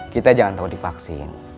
kita jangan takut divaksin